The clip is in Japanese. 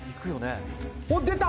「出た！